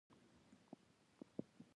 فخر زمان یو قوي بيټسمېن دئ.